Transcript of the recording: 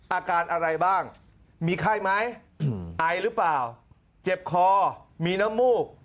อาการอะไรบ้างมีไข้ไหมไอหรือเปล่าเจ็บคอมีน้ำมูก